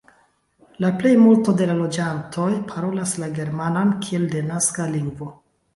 La plejmulto de la loĝantoj parolas la germanan kiel denaska lingvo.